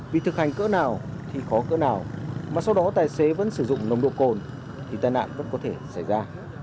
vì thực hành cỡ nào thì khó cỡ nào mà sau đó tài xế vẫn sử dụng nồng độ cồn thì tai nạn vẫn có thể xảy ra